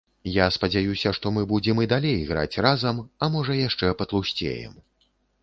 Я спадзяюся, што мы будзем і далей граць разам, а можа, яшчэ патлусцеем.